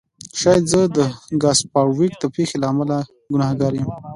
شاید زه د ګس فارویک د پیښې له امله ګناهګار یم